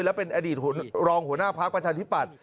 และเป็นอดีตรองหัวหน้าพักประชาธิปัตย